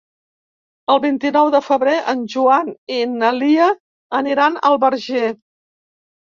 El vint-i-nou de febrer en Joan i na Lia aniran al Verger.